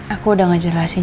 aku udah ngejelasin